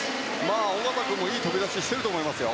小方君もいい飛び出しをしていますよ。